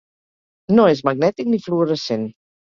No és magnètic ni fluorescent.